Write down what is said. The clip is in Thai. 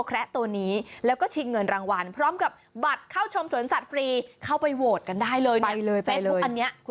ครองกับบัตรเข้าชมสวนสัตว์ฟรีเข้าไปโหวตกันได้เลยนะ